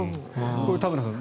これ、田村さん